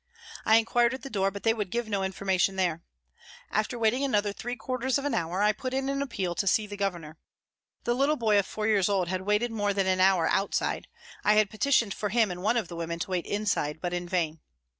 I inquired at the door, but they would give no information there. After waiting another three quarters of an hour I put in an appeal to see the Governor. The little boy of four years old had waited more than an hour outside, I had petitioned for him and one of the women to wait inside, but in vain.